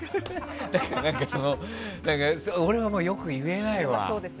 だから俺はよく言えないわ。